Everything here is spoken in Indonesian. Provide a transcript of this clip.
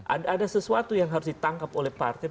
ada sesuatu yang harus ditangkap oleh partai